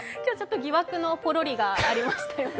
疑惑のポロリがありましたよね。